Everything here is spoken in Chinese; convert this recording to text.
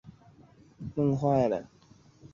然后我们一个晚上就把它弄坏了